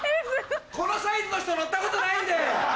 このサイズの人乗ったことないんで！